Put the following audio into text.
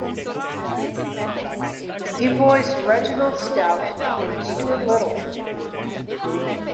He voiced Reginald Stout in "Stuart Little".